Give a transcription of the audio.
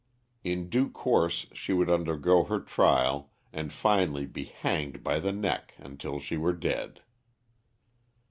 In due course she would undergo her trial and finally be hanged by the neck until she were dead.